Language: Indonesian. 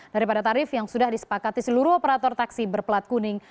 daripada tarif yang sudah disepakati seluruh operator taksi berpelat kuning